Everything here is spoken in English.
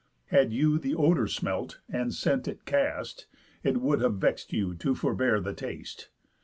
Had you the odour smelt and scent it cast, It would have vex'd you to forbear the taste.